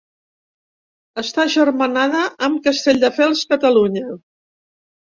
Està agermanada amb Castelldefels, Catalunya.